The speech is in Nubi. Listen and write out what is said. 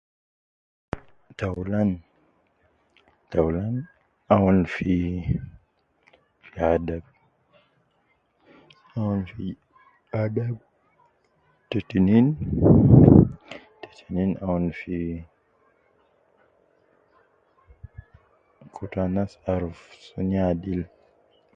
Taulan, taulan aun fiii fi adab, aun fi adab, ta tinin, ta tinin aun fi kutu anas aruf sunu ya adil